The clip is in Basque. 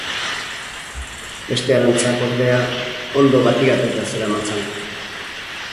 Beste arantzak, ordea, ondo katigatuta zeramatzan.